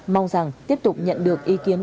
mong rằng tiếp tục nhận được ý kiến